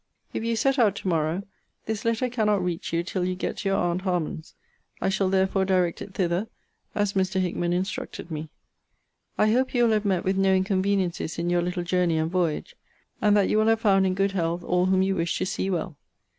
If you set out to morrow, this letter cannot reach you till you get to your aunt Harman's. I shall therefore direct it thither, as Mr. Hickman instructed me. I hope you will have met with no inconveniencies in your little journey and voyage; and that you will have found in good health all whom you wish to see well.